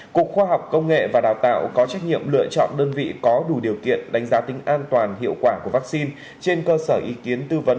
cục khoa học công nghệ và đào tạo có trách nhiệm lựa chọn đơn vị có đủ điều kiện đánh giá tính an toàn hiệu quả của vaccine